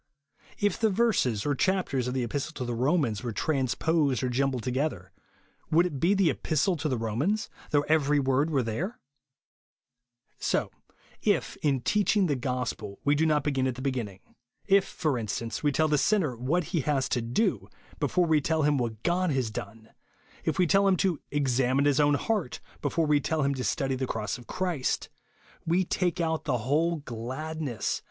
If the verses or chapters of the Epistle to the Romans were transposed or jumbled together, would it be the Epistle to the Romans, though every word were there 1 So, if, in teaching the gospel, we do not begin at the beginning ; if, for in stance, we tell the sinner what he has to do, before we tell him what God has done ; if we tell him to examine his own heart before we tell him to study the cross of Christ; we take out the whole giadnesji JESUS ONLY.